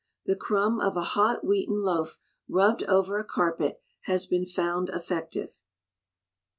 The crumb of a hot wheaten loaf rubbed over a carpet has been found effective.